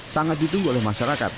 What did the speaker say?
sangat ditunggu oleh masyarakat